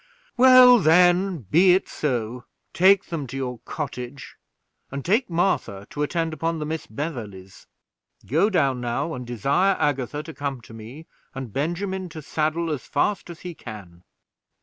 "Well, then, be it so; take them to your cottage, and take Martha to attend upon the Miss Beverleys. Go down now, and desire Agatha to come to me, and Benjamin to saddle as fast as he can."